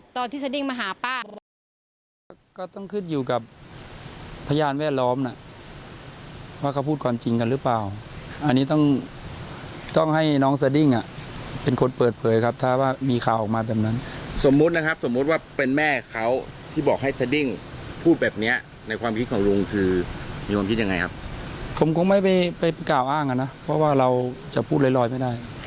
ตอนที่เสดิ้งมาหาป้าก็ต้องขึ้นอยู่กับพยานแวดล้อมน่ะว่าเขาพูดความจริงกันหรือเปล่าอันนี้ต้องต้องให้น้องเสดิ้งอ่ะเป็นคนเปิดเผยครับถ้าว่ามีข่าวออกมาแบบนั้นสมมุตินะครับสมมุติว่าเป็นแม่เขาที่บอกให้เสดิ้งพูดแบบเนี้ยในความคิดของลุงคือมีความคิดยังไงครับผมคงไม่ไปไปกล่าวอ้างอ่ะนะเพ